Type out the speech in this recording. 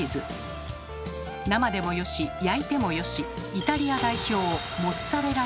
生でもよし焼いてもよしイタリア代表